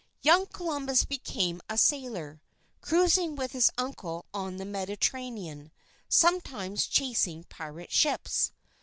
Young Columbus became a sailor, cruising with his uncle on the Mediterranean, sometimes chasing pirate ships.